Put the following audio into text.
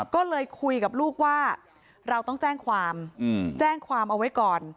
ก็เลยคุยกับลูกว่าเราต้องแจ้งความแจ้งความเอาไว้ก่อน